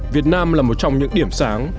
việt nam là một trong những điểm sáng